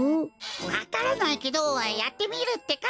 わからないけどやってみるってか！